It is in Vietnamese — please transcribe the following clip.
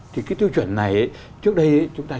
thì cái tiêu chuẩn này trước đây chúng ta